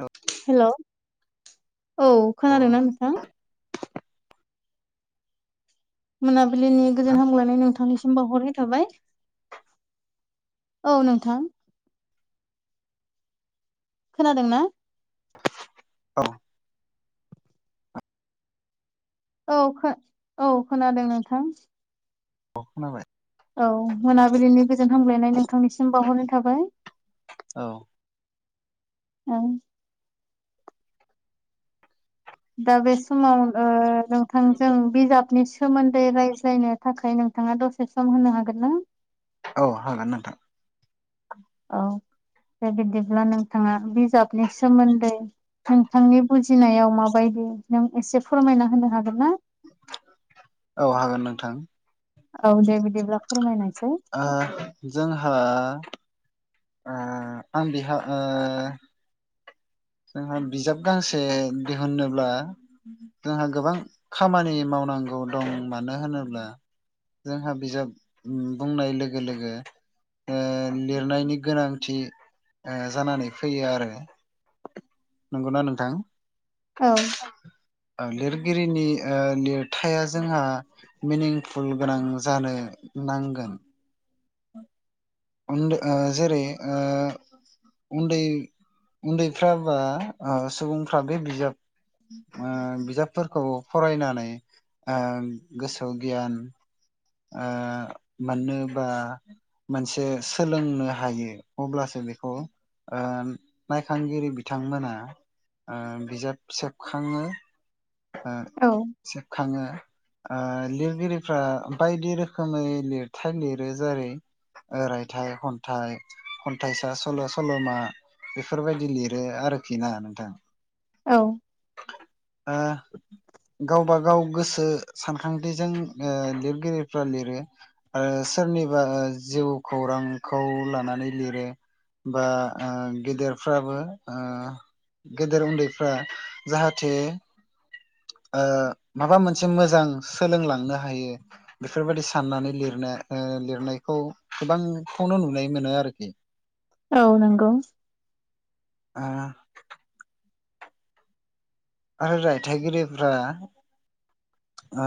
औ हेल' औ खोनादोंना नोंथां? मोनाबिलिनि गोजोन हामलायनाय नोंथांनिसिम बावहरनाय थाबाय औ नोंथां खोनादों ना अ औ खो औ खोनादों नोंथां औ खोनाबाय औ मोनाबिलिनि गोजोन हामलायनाय नोंथांनिसिम बावहरनाय थाबाय औ ओं दा बे समाव ओ नोंथांजों बिजाबनि सो सोमोन्दै रायज्लायनो थाखाय नोंथाङा दसे सम होनो हागोन ना? औ हागोन नोंथां औ दे बिदिब्ला नोंथाङा बिजाबनि सोमोन्दै नोंथांनि बुजिनायाव माबायदि नों एसे फोरमायना होनो हागोन ना? औ हागोन नोंथां औ दे बिदिब्ला फोरमायनायसाय जोंहा ओ आं बेहा ओ जोंहा बिजाब गांसे दिहुनोब्ला जोंहा गोबां खामानि मावनांगौ दं मानो होनोब्ला जोंहा बिजाब बुंनाय लोगो लोगो ओ लिरनायनि गोनांथि ओ जानानै फैयो आरो नंगौना नोंथां औ ओ लिरगिरिनि लिरथाया जोंहा मिनिंफुल गोनां जानो नांगोन। उन जेरै ओ उन्दै उन्दैफ्रा बा ओ सुबुंफ्रा बे बिजाब ओ बिजाबफोरखौ फरायनानै ओ गोसोआव गियान ओ मानोबा मोनसे सोलोंनो हायो अब्लासो बेखौ ओ नायखांगिरि बिथांमोना ओ बिजाब सेबखाङो ओ औ सेबखाङो ओ लिरगिरिफ्रा बायदि रोखोमै लिरथाइ लिरो जेरै ओ रायथाइ खन्थाइ खन्थाइसा सल' सल'मा बेफोरबायदि लिरो आरोखि ना नोंथां औ आ गावबा गाव गोसो सानखांथिजों ओ लिरगिरिफ्रा लिरो आरो सोरनिबा जिउ खौरांखौ लानानै लिरो। एबा गेदेरफ्राबो ओ गेदेर उन्दैफ्रा जाहाथे ओ माबा मोनसे मोजां सोलोंलांनो हायो बेफोरबायदि साननानै लिरनो लिरनायखौ गोबांखौनो नुनाय मोनो आरोखि। औ नोंगौ ओ आरो रायथाइगिरिफ्रा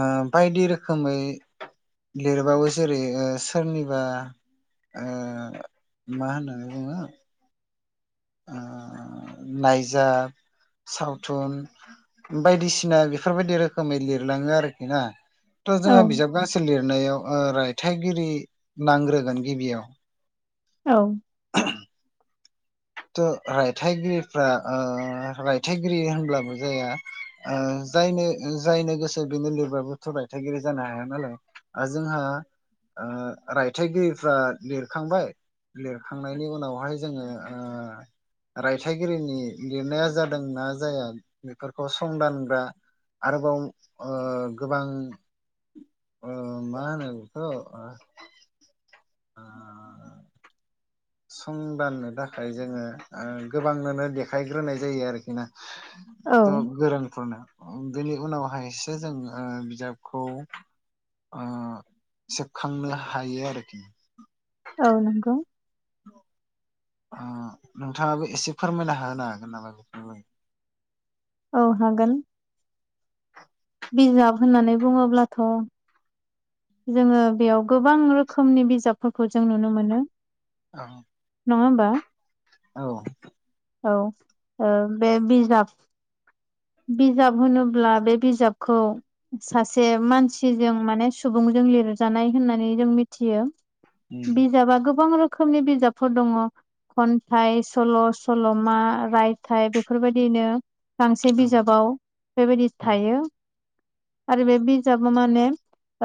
ओ बायदि रोखोमै लिरबावो जेरै सोरनिबा मा होननानै बुङो नायजाब सावथुन बायदिसिना बेफोरबायदि रोखोमै लिरलाङो आरोखि ना थ' औ जोंहा बिजाब गांसे लिरनायाव रायथाइगिरि नांग्रोगोन गिबियाव औ थ' रायथाइगिरिफ्रा रायथाइगिरि होनब्लाबो जाया जायनो जायनो गोसो बेनो लिरबाबोथ' रायथाइगिरि जानो हाया नालाय जोंहा रायथाइगिरिफ्रा लिरखांबाय लिर‌ खांनायनि उनावहाय जोङो रायथाइगिरिनि लिरनाया जादोंनाा जाया बेफोरखौ संदानग्रा आरोबाव गोबां अ मा होनो बेखो अ संदाननो थाखाय जोङो ओ गोबांनोनो देखायग्रोनाय जायो आरोखिना औ थ' गोरोंफोरनो बेनि उनावहायसो जों ओ बिजाबखौ ओं सेबखांनो हायो आरोखि औ नंगौ औ नोंथाङाबो एसे फोरमायना होनो हागोन नामा बेफोराय औ हागोन [inaudible] बिजाब होननानै बुङोब्लाथ' जोङो बेयाव गोबां रोखोमनि बिजाबफोरखौ जों नुनो मोनो अ नङा होमबा औ औ अ बे बिजाब बिजाब होनोब्ला बे बिजाबखौ सासे मानसिजों माने सुबुंजों लिरजानाय होननानै जों मिथियो बिजाबा गोबां रोखोमनि बिजाबफोर दङ खन्थाइ सल' सल'मा रायथाइ बेफोरबायदिनो बे बिजाबाव बेबायदि थायो आरो बे बिजाबा मा होनो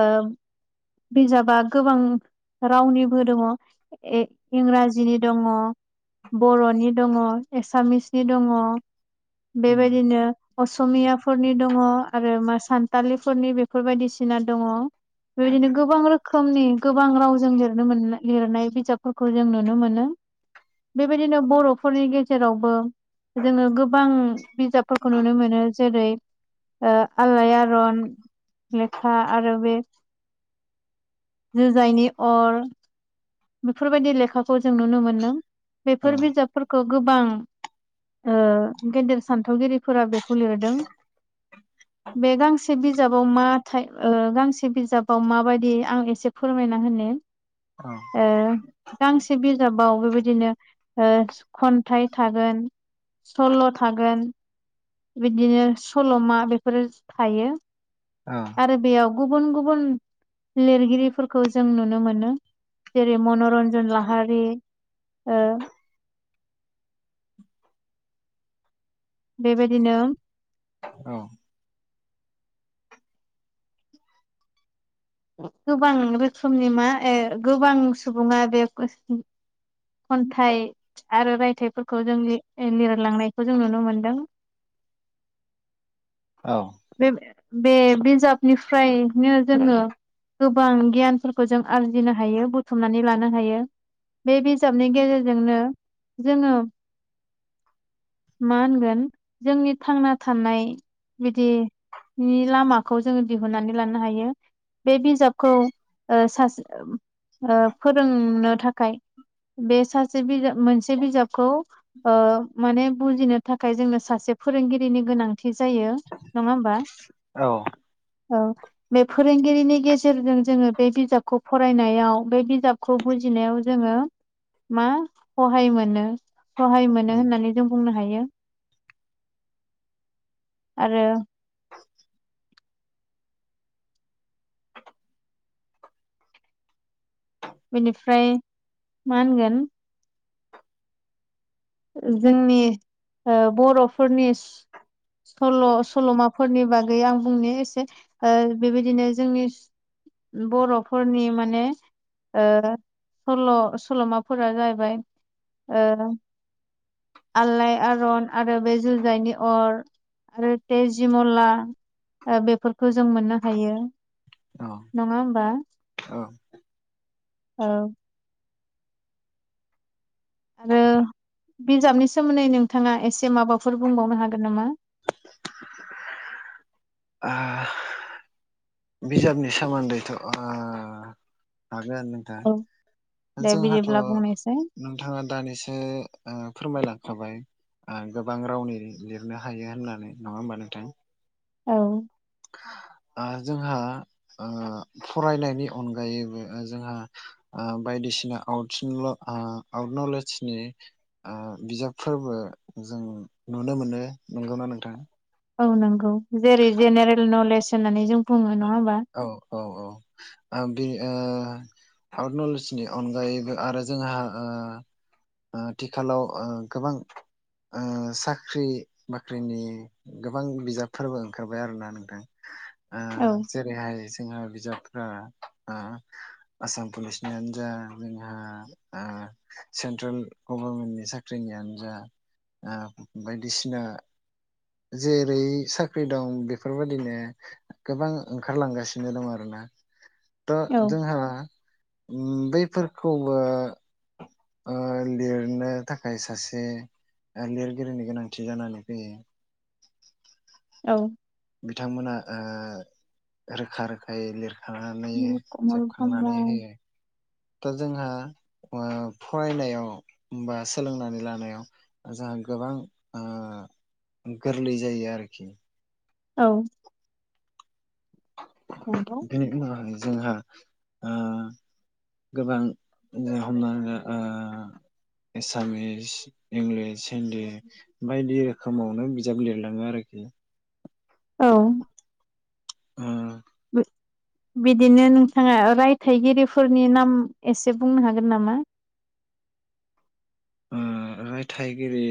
ओ बिजाबा गोबां रावनिबो दङ इंराजिनि दङ बर'नि दङ एसामिसनि दङ बेबायदिनो असमियाफोरनि दङ आरो मा सानथालिफोरनि बेफोर बायदिसिना दङ। बेबायदिनो गोबां रोखोम रो खोमनि गोबां रावजों लिरनो मोन लिरनाय बिजाबफोरखौ जों नुनो मोनो। बेबायदिनो बर'फोरनि गेजेरावबो जोङो गोबां बिजाबफोरखौ नुनो मोनो जेरै ओ आलायारन लेखा आरो बे जुजाइनि अर बेफोरबायदि लेखाखौ जों नुनो मोनदों बेफोर बिजाब फोरखौ गोबां ओ गेदेर सान्थौगिरिफोरा बे खौ लिरदों। बे गांसे बिजाबाव मा ओ गांसे बिजाबाव माबायदि आं एसे फोरमायना होनो। औ ओ गांसे बिजाबाव बेबायदिनो ओ खन्थाइ थागोन। सल' थागोन। बिदिनो सल'मा बेफोरो थायो। औ आरो बेयाव गुबुन गुबुन लिरगिरिफोरखौ जों नुनो मोनो। जेरै मनरन्जन लाहारि ओ बेबायदिनो औ गोबां रोखोमनि मा ए गोबां सुबुङा बे खन्थाइ आरो रायथाइफोरखौ जों लिरलांनायखौ जों नुनो मोनदों। औ बे बे बिजाबनिफ्रायनो जोङो गोबां गियानफोरखौ जों आरजिनो हायो बुथुमनानै लानो हायो। बे बिजाबनि गेजेरजोंनो जोङो मा होनगोन जोंनि थांना थानाय बिदिनि लामाखौ जोङो दिहुननानै लानो हायो। बे बिजाबखौ ओ सासे ओ फोरोंनो थाखाय बे सासे बिजाब मोनसे बिजाबखौ ओ माने बुजिनो थाखाय जोंनो सासे फोरोंगिरिनि गोनांथि जायो। नङा होमबा औ बे फोरोंगिरिनि गेजेरजों जोङो बे बिजाबखौ फरायनायाव बे बिजाब खौ बुजिनायाव जोङो मा सहाय मोनो। सहाय मोनो होननानै जों बुंनो हायो। आरो बेनिफ्राय मा होनगोन? जोंनि ओ बर'फोरनि सल' सल'माफोरनि बागै गै आं बुंनि एसे ओ बेबायदिनो जोंनि बर'फोरनि माने ओ सल' सल'माफोरा जाहैबाय ओ आलाय आरन आरो बे जुजायनि अर आरो तेजिमला ओ बेफोरखौ जों मोननो हायो। औ नङा होमबा औ आरो बिजाबनि सोमोन्दै नोंथाङा एसे माबाफोर बुंबावनो हागोन नामा? आ बिजाबनि सोमोन्दैथ' ओ हागोन। औ थां दे जोंहाथ' बिदिब्ला बुंनायसाय नोंथाङा दानिसो ओ फोरमायलांखाबाय। ओ गोबां रावनि लिरनो हायो होननानै नङा होमबा नोंथां? औ। ओ जोंहा ओ फरायनायनि अनगायैबो ओ जोंहा ओ बायदिसिना आउटसनल आउट नलेजनि बिजाबफोरबो जों नुनो मोनो नंगौना नोंथां। औ नंगौ जेरै जेनेरेल नलेज होननानै जों बुङो नङा होमबा? औ औ। ओ बे ओ आउट नलेजनि अनगायैबो आरो जोंहा ओ ओ आथिखालाव ओ गोबां साख्रि बाख्रिनि गोबां बिजाबफोरबो ओंखारबाय आरोना नों ओ औ जेरैहाय जोंहा बिजाबफ्रा ओ आसाम पुलिसनियानो जा ओ सेन्ट्रेल गभर्मेन्टनि साख्रिनियानो जा ओ दा बायदिसिना जेरै साख्रि दं बेफोरबायदिनो गोबां ओंखारलांगासिनो दं आरोना थ' औ जोंहा बैफोरखौ ओ ओ लिरनो थाखाय सासे ओ लिरगिरिनि गोनांथि जानानै फैयो। औ। बिथांमोना ओ रोखा रोखायै थानानै निल कमल ब्रह्म जोबखांनानै होयो ओ दा जोंहा फरायनायाव बा सोलोंनानै लानायाव ओ जोंहा गोबां गोरलै जायो आरखि औ। नंगौ। बिनि उनावहाय जोंहा ओ गोबां जों हमनानै ला ओ एसामिस इंलिस हिन्दी बायदि रोखोमावनो बिजाब लिरलाङो आरोखि। औ। ओ बिदिनो नोंथाङा रायथाइगिरिफोरनि नाम एसे बुंनो हागोन नामा? रायथाइगिरि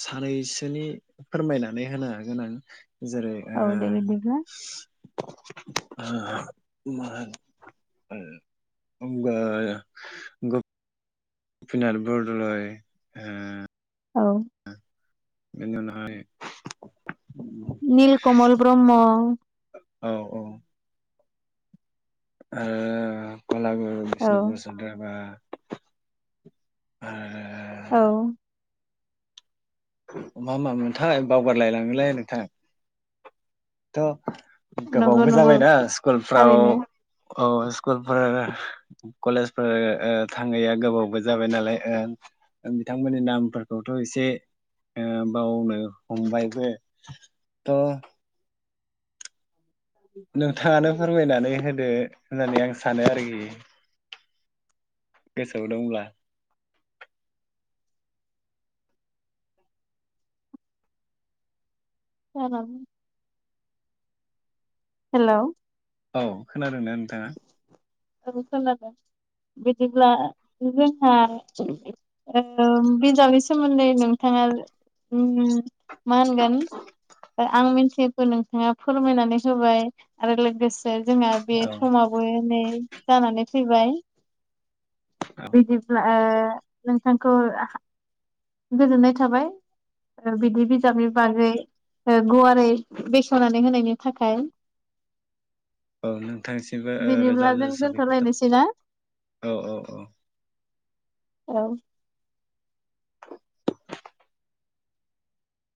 सानैसोनि फोरमायनानै होनो हागोन आं। जेरैओ औ दे बिदिब्ला [unintelligible] ओ गपिना बरदल ओ औ। बेनि उनावहाय निल कमल ब्रह्म। औ औ। ओ कलागुरु औ बिष्णु प्रसाद रा राभा आरो औ। मा मामोनथाय बावगारलायलाङोलै नोंथां थ' नंगौ गोबावबो नंगौ जाबायना स्कुलफ्राव थारैनो औ स्कुलफोर कलेजफोर थाङैया गोबावबो जाबाय नालाय ओ नोंथांमोननि नामफोरखौथ' एसे ओ बावनो हमबायबो थ' नोंथाङानो फोरमायनानै होदो होननानै आं सानो आरोखि। गोसोआव दंब्ला। [inaudible] हेलौ औ खोनादोंना नोंथाङा? [inaudible] खोनादों बिदिब्ला जोंहा बिजाबनि सोमोन्दै नोंथाङा ओम मा होनगोन दा आं मिनथियैगखौ नोंथाङा फोरमायनानै होबाय आरो लोगोसे जोंहा बे औ समावबो नै जानानै फैबाय औ बिदिब्ला ओ नोंथांखौ गोजोननाय थाबाय बिदि बिजाबनि बागै गुवारै बेखेवनानै होनायनि थाखाय। औ नोंथांसिमबो रोजा बिदिब्ला जों रोजा साबायखर दोनथ'लायनोसै ना थाबाय औ औ औ। औ